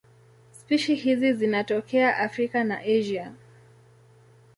Spishi hizi zinatokea Afrika na Asia.